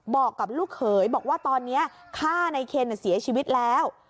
บอกกับลูกเขยบอกว่าตอนนี้ฆ่าในเคนเสียชีวิตแล้ว